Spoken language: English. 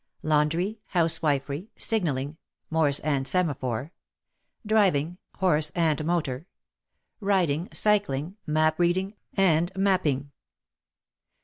Laundry, House wifery, Signalling (Morse and Semaphore), Driving (horse and motor), Riding, Cycling, Map reading and making.